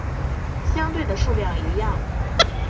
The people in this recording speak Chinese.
相对的数量一样。